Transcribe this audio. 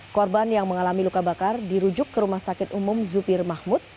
korban yang mengalami luka bakar dirujuk ke rumah sakit umum zupir mahmud